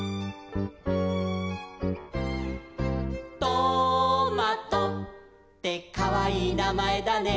「トマトってかわいいなまえだね」